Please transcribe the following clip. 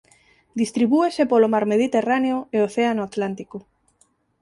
Distribúese polo mar Mediterráneo e océano Atlántico.